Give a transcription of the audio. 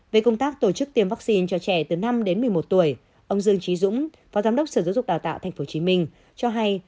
về công tác tổ chức tiêm vaccine cho trẻ từ năm đến một mươi một tuổi ông dương trí dũng phó giám đốc sở giáo dục đào tạo tp hcm cho hay